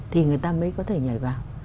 thì người ta mới có thể nhảy vào